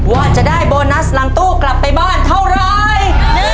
ว่าจะได้โบนัสหลังตู้กลับไปบ้านเท่าไร